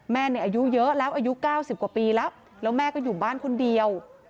อายุเยอะแล้วอายุ๙๐กว่าปีแล้วแล้วแม่ก็อยู่บ้านคนเดียว